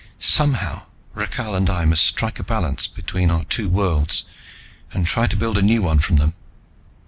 Somehow Rakhal and I must strike a balance between our two worlds, and try to build a new one from them.